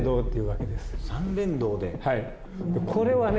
これはね